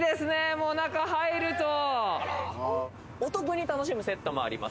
もう中入るとお得に楽しむセットもあります